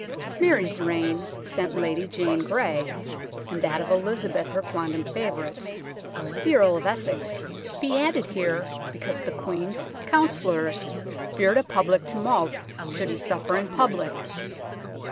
Mary's reign sent Lady Jane Grey, and that of Elizabeth her quondam favourite, the Earl of Essex, be headed here because the Queen's councillors 130 THE TOWER OF LONDON feared a popular tumult should he suffer in public.